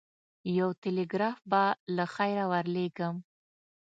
یو ټلګراف به له خیره ورلېږم.